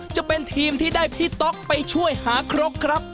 จะเป็นทีมที่ได้พี่ต๊อกไปช่วยหาครกครับ